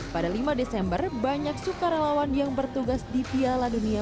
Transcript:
pada lima desember banyak sukarelawan yang bertugas di piala dunia